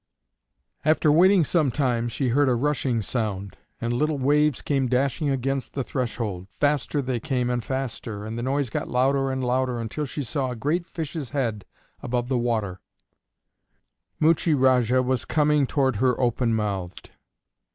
After waiting some time she heard a rushing sound, and little waves came dashing against the threshold; faster they came and faster, and the noise got louder and louder, until she saw a great fish's head above the water Muchie Rajah was coming toward her open mouthed.